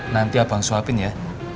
nanti abang suapin ya